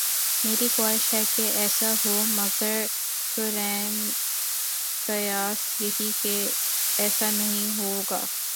میری خواہش ہے کہ ایسا ہو مگر قرین قیاس یہی کہ ایسا نہیں ہو گا۔